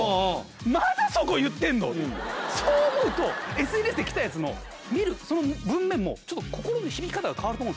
まだそこ言ってんの⁉そう思うとＳＮＳで来たやつも見るとその文面もちょっと心の響き方が変わると思うんですよ。